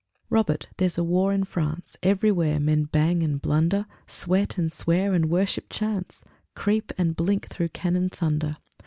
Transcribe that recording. V Robert, there's a war in France; Everywhere men bang and blunder, Sweat and swear and worship Chance, Creep and blink through cannon thunder.